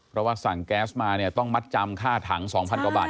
เพราะว่าสั่งแก๊สมาเนี่ยต้องมัดจำค่าถัง๒๐๐กว่าบาท